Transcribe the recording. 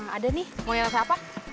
ada nih mau yang apa